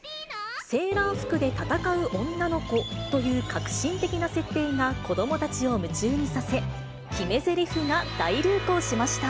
セーラー服で戦う女の子という革新的な設定が子どもたちを夢中にさせ、決めぜりふが大流行しました。